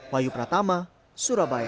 wayu pratama surabaya